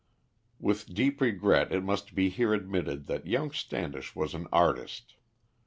With deep regret it must be here admitted that young Standish was an artist.